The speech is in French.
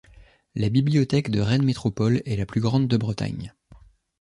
La Bibliothèque de Rennes Métropole est la plus grande de Bretagne.